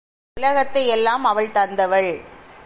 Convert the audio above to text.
உலகத்தை எல்லாம் அவள் தந்தவள்.